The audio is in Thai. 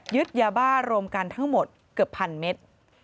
ยาบ้ารวมกันทั้งหมดเกือบพันเมตร